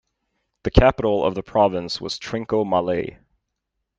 The capital of the province was Trincomalee.